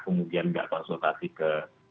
kemudian nggak konsultasi ke